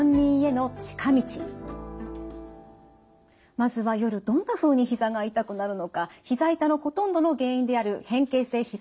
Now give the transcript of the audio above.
まずは夜どんなふうにひざが痛くなるのかひざ痛のほとんどの原因である変形性ひざ